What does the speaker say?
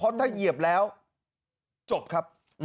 เสียบแล้วจบครับ